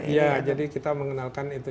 iya jadi kita mengenalkan itu